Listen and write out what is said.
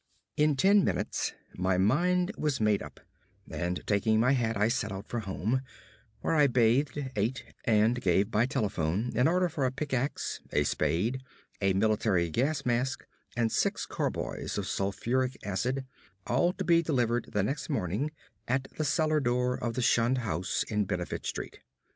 In ten minutes my mind was made up, and taking my hat I set out for home, where I bathed, ate, and gave by telephone an order for a pickax, a spade, a military gas mask, and six carboys of sulfuric acid, all to be delivered the next morning at the cellar door of the shunned house in Benefit Street.